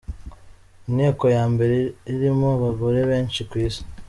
Inteko ya mbere irimo abagore benshi ku Isi.